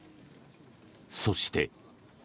そして。